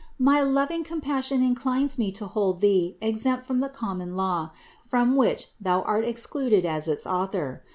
My loving compassion inclines me to hold Thee exempt from the common law, from which Thou art excluded as its Author.